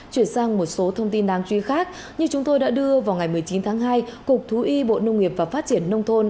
chuyển sang một số thông tin đáng chú ý khác như chúng tôi đã đưa vào ngày một mươi chín tháng hai cục thú y bộ nông nghiệp và phát triển nông thôn